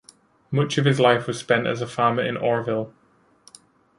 Much of his life was spent as a farmer in Orrville.